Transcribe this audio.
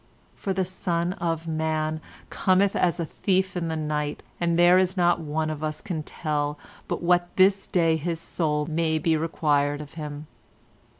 For the Son of Man cometh as a thief in the night, and there is not one of us can tell but what this day his soul may be required of him.